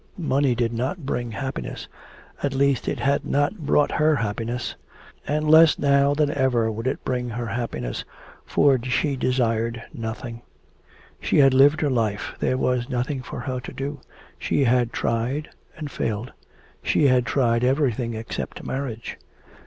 Money did not bring happiness, at least it had not brought her happiness. And less now than ever would it bring her happiness, for she desired nothing; she had lived her life, there was nothing for her to do, she had tried and failed. She had tried everything, except marriage.